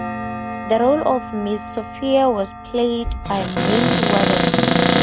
The role of Miss Sophie was played by May Warden.